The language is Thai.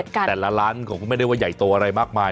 แต่ละร้านเขาก็ไม่ได้ว่าใหญ่โตอะไรมากมาย